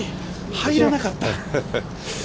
入らなかった。